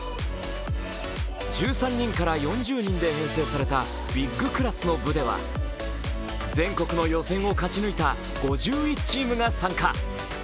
１３人から４０人で編成されたビッグクラスの部では全国の予選を勝ち抜いた５１チームが参加。